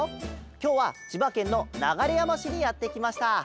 きょうはちばけんのながれやましにやってきました。